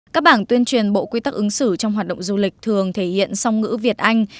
các bảng tuyên truyền bộ quy tắc ứng xử trong hoạt động du lịch thường thể hiện song ngữ việt anh